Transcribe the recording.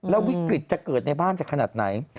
แล้ววิกฤตจะเกิดในบ้านจะขนาดไหน